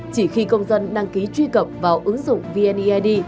chỉ khi công dân đăng ký truy cập vào ứng dụng vneid